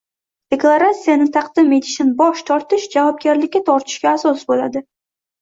Deklaratsiyani taqdim etishdan bosh tortish javobgarlikka tortishga asos bo‘ladi.